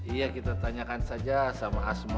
iya kita tanyakan saja sama hasmo